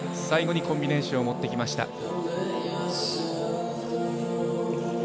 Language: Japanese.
最後にコンビネーションを持ってきました。